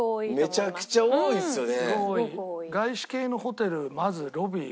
めちゃくちゃ多いですよね。